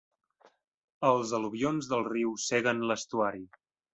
Els al·luvions del riu ceguen l'estuari.